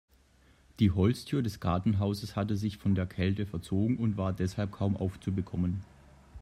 Die Holztür des Gartenhauses hatte sich von der Kälte verzogen und war deshalb kaum aufzubekommen.